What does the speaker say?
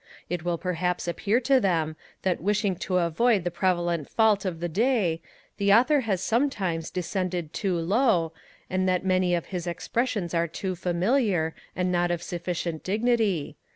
It will perhaps appear to them, that wishing to avoid the prevalent fault of the day, the author has sometimes descended too low, and that many of his expressions are too familiar, and not of sufficient dignity.